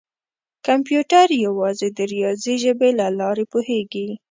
کمپیوټر یوازې د ریاضي ژبې له لارې پوهېږي.